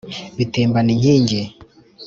Bitembana inkingi